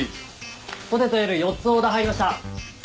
ポテトＬ４つオーダー入りました。